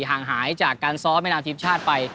ห่างหายจากการซ้อมแม่นาทีมชาติไป